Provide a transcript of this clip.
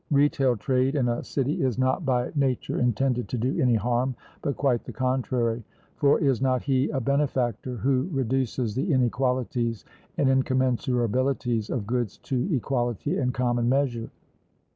Retail trade in a city is not by nature intended to do any harm, but quite the contrary; for is not he a benefactor who reduces the inequalities and incommensurabilities of goods to equality and common measure?